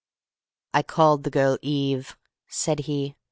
"I called the girl Eve," said he.